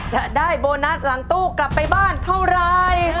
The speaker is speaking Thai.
จะได้โบนัสหลังตู้กลับไปบ้านเท่าไร